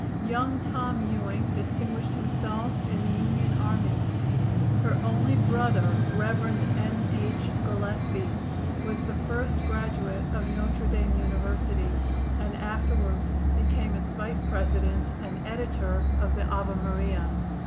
"Young Tom" Ewing distinguished himself in the Union army. Her only brother, Rev. N. H. Gillespie, was the first graduate of Notre Dame University, and afterwards became its vice president and editor of the "Ave Maria."